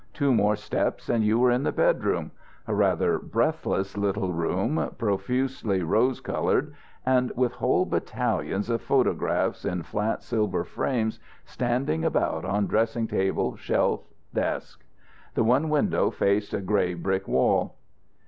Two more steps and you were in the bedroom a rather breathless little bedroom, profusely rose coloured, and with whole battalions of photographs in flat silver frames standing about on dressing table, shelf, desk. The one window faced a grey brick wall.